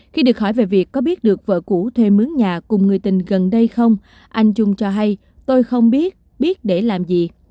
khi được hỏi về việc có biết được vợ cũ thuê mướn nhà cùng người tình gần đây không anh trung cho hay tôi không biết biết để làm gì